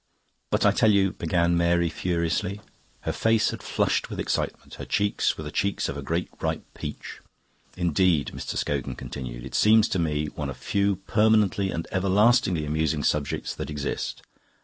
"But I tell you..." began Mary furiously. Her face had flushed with excitement. Her cheeks were the cheeks of a great ripe peach. "Indeed," Mr. Scogan continued, "it seems to me one of few permanently and everlastingly amusing subjects that exist.